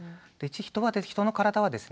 人の体はですね